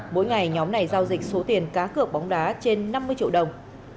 mỗi ngày nhóm này giao dịch số tiền cá cược bóng đá trên năm mươi triệu đồng